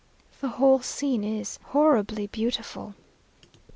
The whole scene is "horribly beautiful."